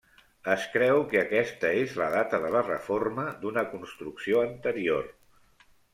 Es creu que aquesta és la data de la reforma d'una construcció anterior.